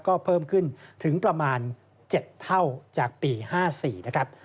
ก็เพิ่มขึ้นถึงประมาณ๗เท่าจากปี๕๔นะครับ